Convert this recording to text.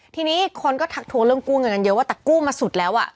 ทีนี้คนก็ทักทวงเรื่องกู้เงินกันเยอะว่าแต่กู้มาสุดแล้วอ่ะ